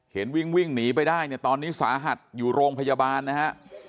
เห็นวิ่งหนีไปได้ตอนนี้สาหัสอยู่โรงพยาบาลนะฮะ